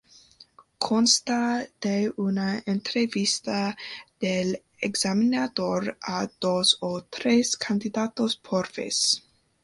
Consta de una entrevista del examinador a dos o tres candidatos por vez.